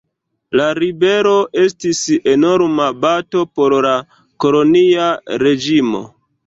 La ribelo estis enorma bato por la kolonia reĝimo.